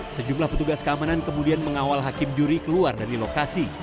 sejumlah petugas keamanan kemudian mengawal hakim juri keluar dari lokasi